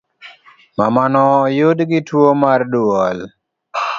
Mamano oyudgi tuo mar duol